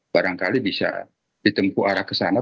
barangkali bisa ditempu arah ke sana